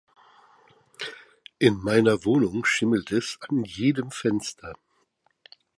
In meiner Wohnung schimmelt es an jedem Fenster.